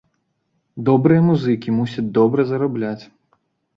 Добрыя музыкі мусяць добра зарабляць.